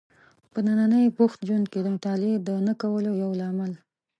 په ننني بوخت ژوند کې د مطالعې د نه کولو یو لامل